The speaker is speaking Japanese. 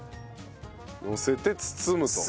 のせて包むと。